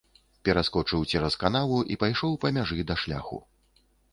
Пераскочыў цераз канаву і пайшоў па мяжы да шляху.